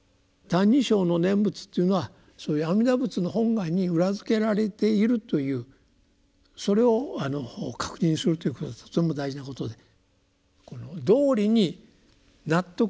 「歎異抄」の念仏というのはそういう阿弥陀仏の本願に裏付けられているというそれを確認するということはとても大事なことでこの道理に納得しなかったらですね